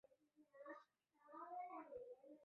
神户市营地铁是由神户市交通局所营运之地铁。